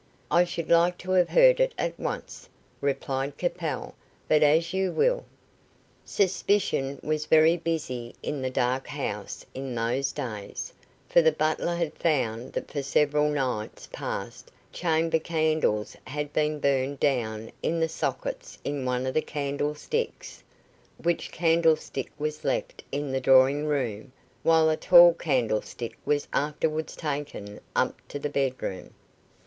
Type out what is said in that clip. "I should like to have heard it at once," replied Capel, "but as you will." Suspicion was very busy in the Dark House in those days, for the butler had found that for several nights past chamber candles had been burned down in the sockets in one of the candlesticks, which candlestick was left in the drawing room, while a tall candlestick was afterwards taken up to the bedroom.